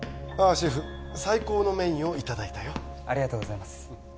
シェフ最高のメインをいただいたよありがとうございます